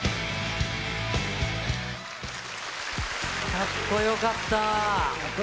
かっこよかった。